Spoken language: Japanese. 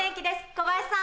小林さん